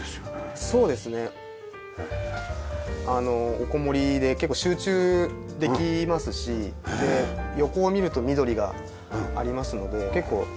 おこもりで結構集中できますしで横を見ると緑がありますので結構癒やされるというか。